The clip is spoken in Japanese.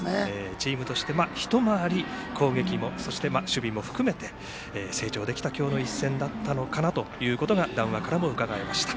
チームとして１回り攻撃も守備も含めて成長できた今日の一戦だったのかなということが今日の談話からもうかがえました。